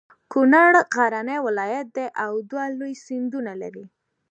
کنړ غرنی ولایت ده او دوه لوی سیندونه لري.